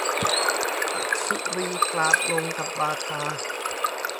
อสุรีกราบลงกับบาทา